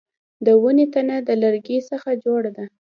د ونې تنه د لرګي څخه جوړه ده